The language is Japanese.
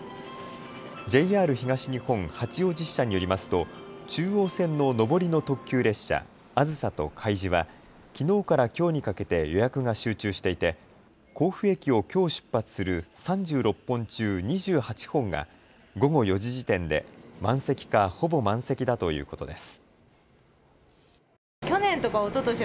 ＪＲ東日本八王子支社によりますと中央本線の上りの特急列車、あずさとかいじはきのうからきょうにかけて予約が集中していて甲府駅をきょう出発する３６本中、２８本が午後４時時点で満席かほぼ満席だということです。